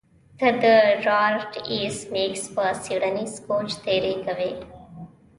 ته د ډارت ایس میکس په څیړنیز کوچ تیری کوې